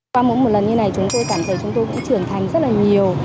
qua mỗi một lần như này chúng tôi cảm thấy chúng tôi cũng trưởng thành rất là nhiều